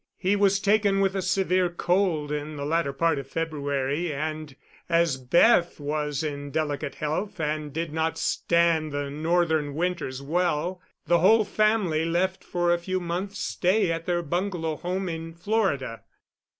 He was taken with a severe cold in the latter part of February, and as Beth was in delicate health and did not stand the Northern winters well, the whole family left for a few months' stay at their bungalow home in Florida.